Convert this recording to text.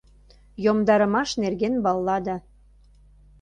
Йомдарымаш нерген баллада